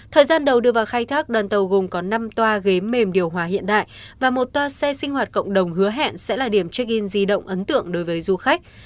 thời gian đầu đưa vào khai thác đoàn tàu gồm có năm toa ghế mềm điều hòa hiện đại và một toa xe sinh hoạt cộng đồng hứa hẹn sẽ là điểm check in di động ấn tượng đối với du khách